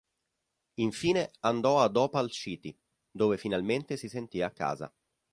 Infine, andò ad Opal City, dove finalmente si sentì a casa.